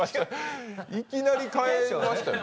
いきなり変えましたよね？